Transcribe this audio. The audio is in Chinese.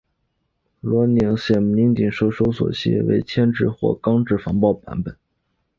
螺旋拧紧型收束器还分为铅制或钢制防爆版本。